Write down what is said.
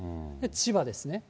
千葉ですね。